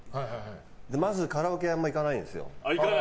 まずカラオケあまり行かないですよ。